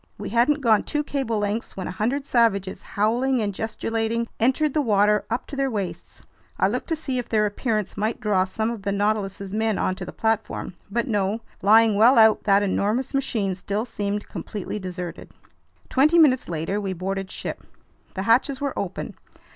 We hadn't gone two cable lengths when a hundred savages, howling and gesticulating, entered the water up to their waists. I looked to see if their appearance might draw some of the Nautilus's men onto the platform. But no. Lying well out, that enormous machine still seemed completely deserted. Twenty minutes later we boarded ship. The hatches were open.